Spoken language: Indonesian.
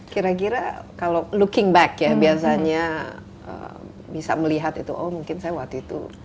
kira kira kalau looking back ya biasanya bisa melihat itu oh mungkin saya waktu itu